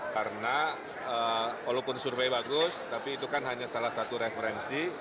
karena walaupun survei bagus tapi itu kan hanya salah satu referensi